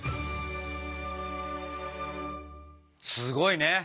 すごいね！